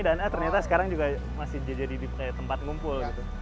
dan ternyata sekarang juga masih jadi tempat ngumpul